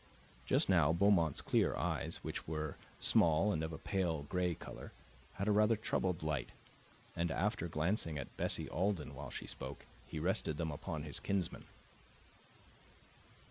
Just now Beaumont's clear eyes, which were small and of a pale gray color, had a rather troubled light, and, after glancing at Bessie Alden while she spoke, he rested them upon his kinsman.